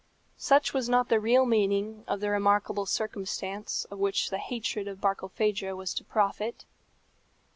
Such was not the real meaning of the remarkable circumstance of which the hatred of Barkilphedro was to profit.